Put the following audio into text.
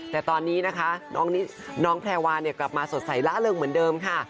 แต่ตอนนี้นะคะน้องแพรวากลับมาสดใสล่าเริงเหมือนเดิมค่ะ